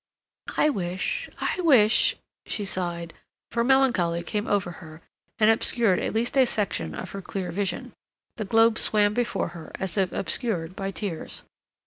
"I wish—I wish—" she sighed, for melancholy came over her and obscured at least a section of her clear vision. The globe swam before her as if obscured by tears.